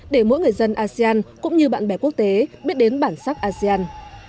để mỗi người dân asean cũng như bạn bè quốc tế biết đến bản sắc asean